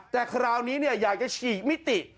แต่คราวนี้อยากจะฉีกมิติ